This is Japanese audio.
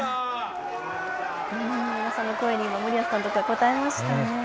皆さんの声に森保監督が応えましたね。